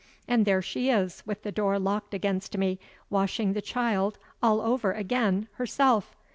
And there she is, with the door locked against me, washing the child all over again herself.